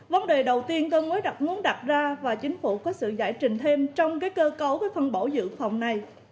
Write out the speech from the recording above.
vấn đề đầu tiên tôi muốn đặt ra là chính phủ có sự giải trình thêm trong cơ cấu phân bổ dự phòng này